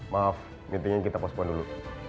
maaf mendingan kita pause pun dulu